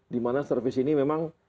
dimana servis ini memang